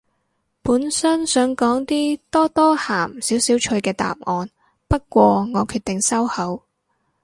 本身想講啲多多鹹少少趣嘅答案，不過我決定收口